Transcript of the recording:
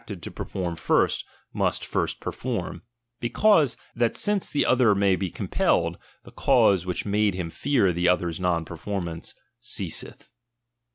traded to perform first, must first perform ; be cause, that since the other may be compelled, the cause which made him fear the other's uon perfor mance, ceaseth.